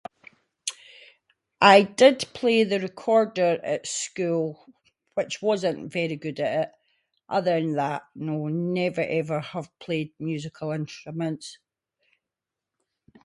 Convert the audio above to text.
I did play the recorder at school, which wasn’t very good at it, other than that, no never ever have played musical instruments.